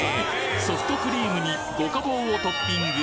ソフトクリームに五家宝をトッピング！